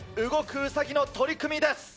ウサギの取組です。